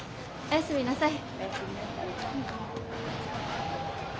お休みなさい。